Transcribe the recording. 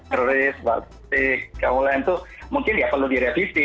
juris batik kemuliaan itu mungkin ya perlu direvisi